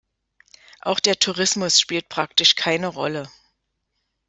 Auch der Tourismus spielt praktisch keine Rolle.